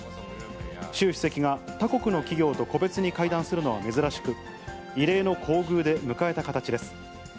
習主席が他国の企業と個別に会談するのは珍しく、異例の厚遇で迎えた形です。